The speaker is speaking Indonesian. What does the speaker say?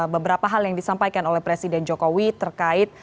beberapa hal yang disampaikan oleh presiden jokowi terkait